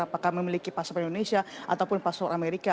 apakah memiliki paspor indonesia ataupun paspor amerika